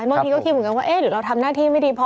บางทีก็คิดเหมือนกันว่าเอ๊ะหรือเราทำหน้าที่ไม่ดีพอ